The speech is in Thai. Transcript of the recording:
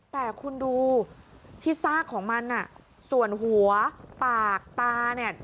แต่คุณดูที่ซากของมันส่วนหัวปากตาเนี่ย